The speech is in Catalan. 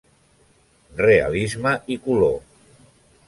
Realisme i color.